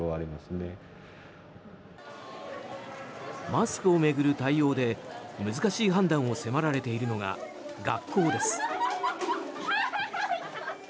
マスクを巡る対応で難しい判断を迫られているのが学校です。